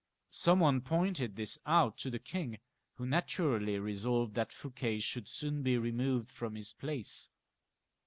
Some one pointed this out to the king, who naturally resolved that Fouquet should soon be removed from his place.